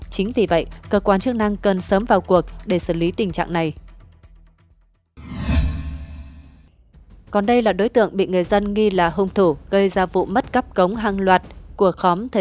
chính vì vậy cơ quan chức năng cần sớm vào cuộc để xử lý tình trạng này